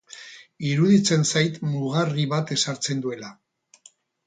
Iruditzen zait mugarri bat ezartzen duela.